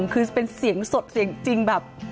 คือเป็นเสียงสดเสียงจริงแบบ